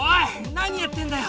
何やってんだよ。